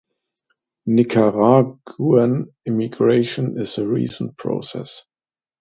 Nicaraguan emigration is a recent process.